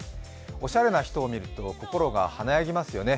おしゃれな人を見ると心が華やぎますよね。